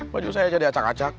baju saya jadi acak acak